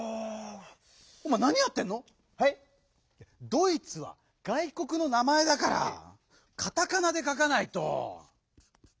「ドイツ」はがいこくの名まえだからカタカナでかかないと！